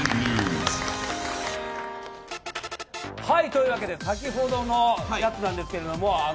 はい、というわけで先ほどのやつなんですけども。